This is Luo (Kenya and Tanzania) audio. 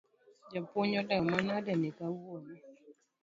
Japuonj olewo manade kawuono?